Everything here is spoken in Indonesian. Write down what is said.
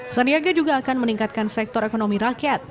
sandiaga juga akan meningkatkan sektor ekonomi rakyat